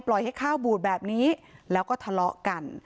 ให้ข้าวบูดแบบนี้แล้วก็ทะเลาะกัน